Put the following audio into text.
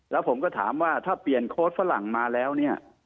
แล้วผมก็ถามว่าถ้าเปลี่ยนโค้ดฝรั่งมาแล้วเนี่ย